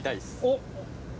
おっ！